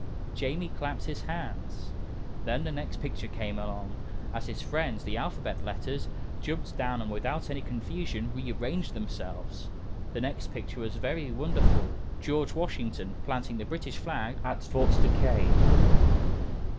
Jamie clapped his hands. Then the next picture came along, as his friends, the Alphabet Letters, jumped down and without any confusion re arranged themselves. The next picture was very wonderful George Washington planting the British Flag at Fort Duquesne.